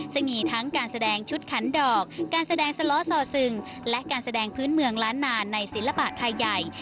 ซึ่งมีทั้งการแสดงชุดขันดอกการแสดงสล้อซอซึงและการแสดงพื้นเมืองล้านนานในศิลปะไทยใหญ่